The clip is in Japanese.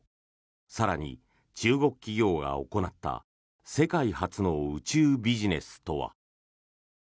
更に、中国企業が行った世界初の宇宙ビジネスとは。